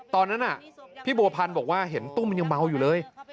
ตอนนั้นพี่บัวพันธ์บอกว่าเห็นตุ้มมันยังเมาอยู่เลย